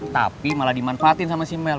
tapi malah dimanfaatin sama si mel